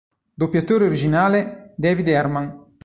Doppiatore originale: David Herman.